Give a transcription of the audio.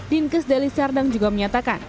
dinkes deli sardang juga menyatakan